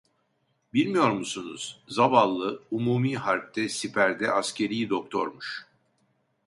Bilmiyor musunuz? Zavallı, umumi harpte, siperde askeri doktormuş.